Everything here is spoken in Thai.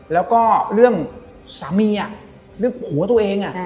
แล้วก็เรื่องสามีเรื่องผัวตัวเอง